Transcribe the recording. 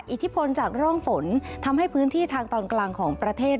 อิทธิพลจากร่องฝนทำให้พื้นที่ทางตอนกลางของประเทศ